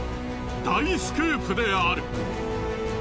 大スクープである。